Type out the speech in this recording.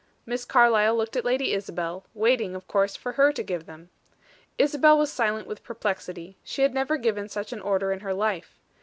Miss Carlyle looked at Lady Isabel, waiting, of course, for her to give them. Isabel was silent with perplexity; she had never given such an order in her life.